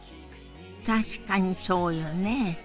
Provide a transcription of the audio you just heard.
確かにそうよね。